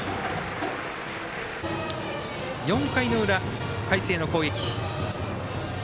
４回の裏、海星の攻撃。